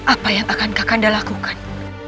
apa yang akan kakanda lakukan